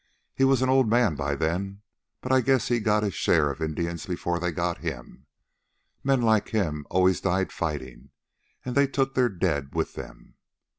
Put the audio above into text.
He was an old man by then, but I guess he got his share of Indians before they got him. Men like him always died fighting, and they took their dead with them.